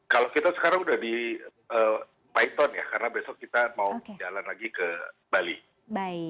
kalau kita sekarang udah di paiton ya karena besok kita mau jalan lagi ke bali